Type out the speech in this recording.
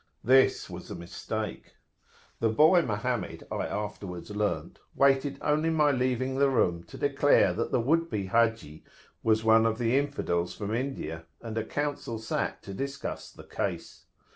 This was a mistake. The boy Mohammed, I [p.167]afterwards learned,[FN#5] waited only my leaving the room to declare that the would be Haji was one of the Infidels from India, and a council sat to discuss the case.